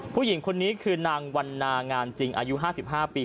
ผู้หญิงคนนี้คือนางวันนางานจริงอายุ๕๕ปี